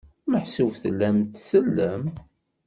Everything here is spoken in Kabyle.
Meḥsub tellam tsellem?